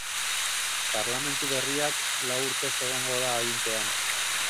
Parlamentu berriak lau urtez egongo da agintean.